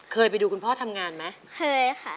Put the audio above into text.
เคยไปดูคุณพ่อทำงานไหมเคยค่ะ